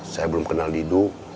saya belum kenal didu